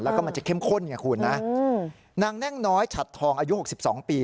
แล้วก็มันจะเข้มข้นไงคุณนะนางแน่งน้อยฉัดทองอายุ๖๒ปี